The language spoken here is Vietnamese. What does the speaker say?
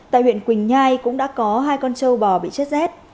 tại huyện quỳnh nhai cũng đã có hai con trâu bò bị chết rét